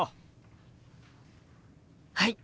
はい！